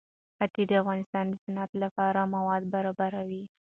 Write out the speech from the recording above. ښتې د افغانستان د صنعت لپاره مواد برابروي.